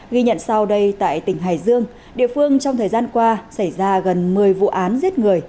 ghi nhận sau đây tại tỉnh hải dương địa phương trong thời gian qua xảy ra gần một mươi vụ án giết người